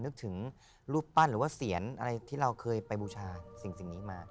นึกถึงรูปปั้นหรือว่าเสียนอะไรที่เราเคยไปบูชาสิ่งนี้มา